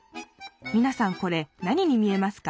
みなさんこれ何に見えますか？